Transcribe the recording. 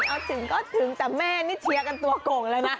เอาถึงก็ถึงแต่แมสเชียวกันตัวโกหกน่ะ